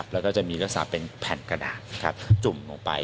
แล้วก็จะมีลักษณะเป็นแผ่นกระดาษจุ่มลงไป